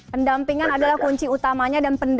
pendampingan adalah kunci utamanya dan pendampingan juga